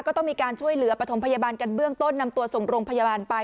ก็ต้องมีการช่วยเหลือปฐมพยาบาลกันเบื้องต้นนำตัวส่งโรงพยาบาลไป